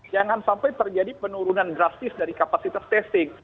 jangan sampai terjadi penurunan drastis dari kapasitas testing